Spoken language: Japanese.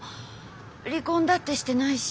離婚だってしてないし。